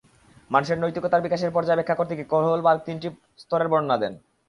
মানুষের নৈতিকতার বিকাশের পর্যায় ব্যাখ্যা করতে গিয়ে কোহলবার্গ তিনটি স্তরের বর্ণনা দেন।